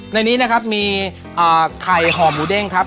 ในนี้นะครับมีไข่ห่อหมูเด้งครับ